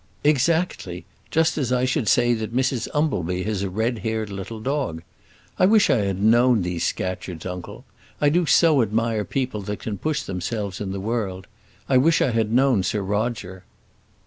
"Exactly, just as I should say that Mrs Umbleby had a red haired little dog. I wish I had known these Scatcherds, uncle. I do so admire people that can push themselves in the world. I wish I had known Sir Roger."